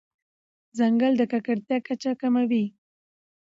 ځنګل د ککړتیا کچه کموي.